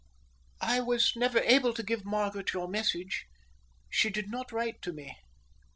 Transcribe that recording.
"I was never able to give Margaret your message. She did not write to me."